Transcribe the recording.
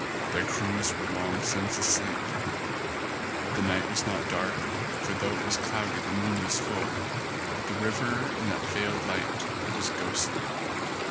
Their crews were long since asleep. The night was not dark, for though it was cloudy the moon was full, but the river in that veiled light was ghostly.